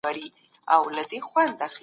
د شخصیتونو په اړه ناسم قضاوت مه کوئ.